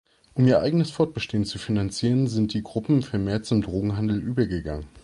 Um ihr eigenes Fortbestehen zu finanzieren, sind die Gruppen vermehrt zum Drogenhandel übergegangen.